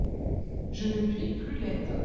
Je ne puis plus l'être.